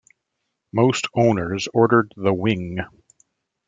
Most owners ordered the wing.